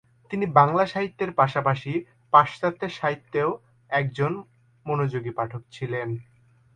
তিনি বাংলা সাহিত্যের পাশাপাশি পাশ্চাত্য সাহিত্যেরও একজন মনোযোগী পাঠক ছিলেন।